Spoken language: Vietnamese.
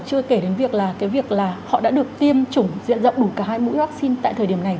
chưa kể đến việc là họ đã được tiêm chủng diện rộng đủ cả hai mũi vaccine tại thời điểm này